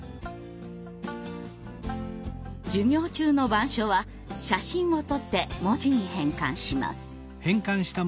授業中の板書は写真を撮って文字に変換します。